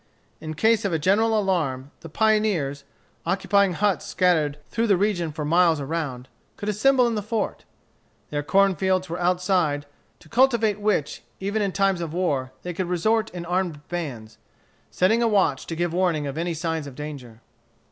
In case of a general alarm, the pioneers, occupying huts scattered through the region for miles around, could assemble in the fort. Their corn fields were outside, to cultivate which, even in times of war, they could resort in armed bands, setting a watch to give warning of any signs of danger.